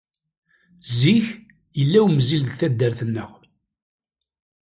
Zik, yella umzil deg taddart-nneɣ.